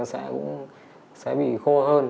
nó sẽ bị khô hơn